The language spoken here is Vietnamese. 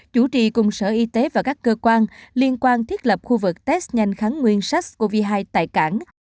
chủ trì cùng sở y tế và các cơ quan liên quan thiết lập khu vực test nhanh kháng nguyên sars cov hai tại cảng